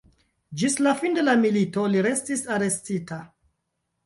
Ĝis la fino de la milito li restis arestita.